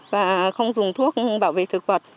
và không dùng thuốc bảo vệ thực vật